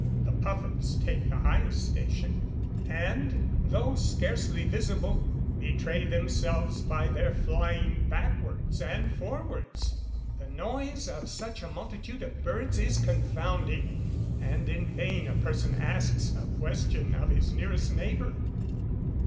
The puffins take the highest station, and, though scarcely visible, betray themselves by their flying backwards and forwards. The noise of such a multitude of birds is confounding, and in vain a person asks a question of his nearest neighbour.